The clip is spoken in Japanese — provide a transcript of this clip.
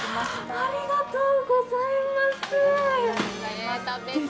ありがとうございます。